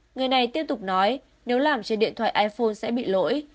người này tiếp tục nói nếu làm trên điện thoại iphone sẽ bị lỗi